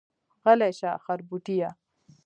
غلی شه خربوټيه.